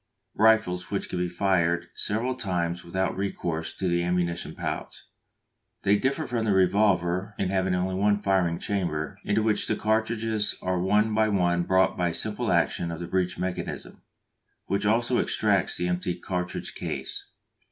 _ rifles which can be fired several times without recourse to the ammunition pouch. They differ from the revolver in having only one firing chamber, into which the cartridges are one by one brought by a simple action of the breech mechanism, which also extracts the empty cartridge case.